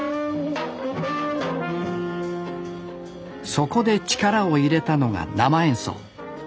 そこで力を入れたのが生演奏。